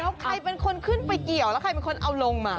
แล้วใครเป็นคนขึ้นไปเกี่ยวหรือใครเอาลงมา